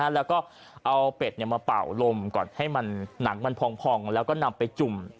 แล้วก็เอาเป็ดมาเป่าลมก่อนให้หนังมันพองแล้วก็นำไปจุ่ม